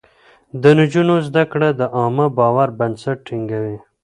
د نجونو زده کړه د عامه باور بنسټ ټينګوي.